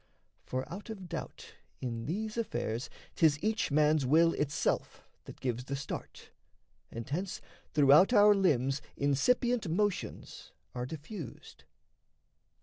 For out of doubt In these affairs 'tis each man's will itself That gives the start, and hence throughout our limbs Incipient motions are diffused.